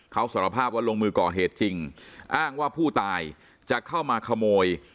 เขาสารภาพว่าลงมือก่อเหตุจริงอ้างว่าผู้ตายจะเข้ามาขโมย